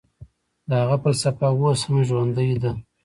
د هغه فلسفه اوس هم ژوندۍ ده.